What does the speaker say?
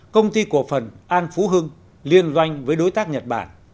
công ty cổ phần an phú hưng liên doanh với đối tác nhật bản